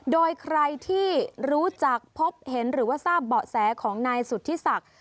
โดยใครที่รู้จักพบเห็นหรือว่าทราบเบาะแสของนายสุธิศักดิ์